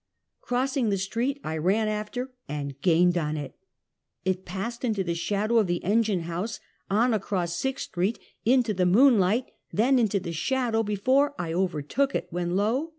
Crossing the street I ran after and gained on it. It passed into the shadow of the engine house, on across Sixth street, into the moon light, then into the shadow, before I overtook it, when lo!